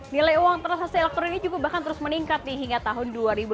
nilai uang transaksi elektronik ini juga bahkan terus meningkat nih hingga tahun dua ribu lima belas